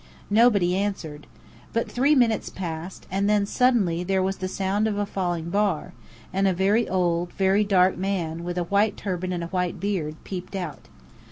Nobody answered. But three minutes passed, and then suddenly there was the sound of a falling bar, and a very old, very dark man, with a white turban and a white beard, peeped out.